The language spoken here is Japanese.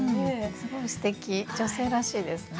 すごいすてき女性らしいですね。